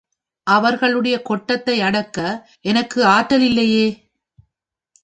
அவர்களுடைய கொட்டத்தை அடக்க எனக்கு ஆற்றல் இல்லையே!